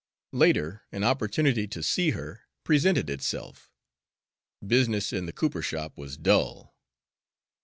Later an opportunity to see her presented itself. Business in the cooper shop was dull.